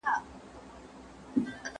یو ښوونکی یې بنسټګر و.